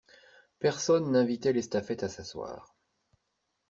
Personne n'invitait l'estafette à s'asseoir.